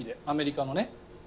アメリカのね。